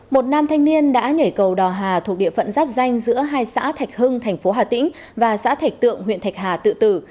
một nam thanh niên đã nhảy cầu đò hà thuộc địa phận giáp danh giữa hai xã thạch hưng thành phố hà tĩnh và xã thạch tượng huyện thạch hà tự tử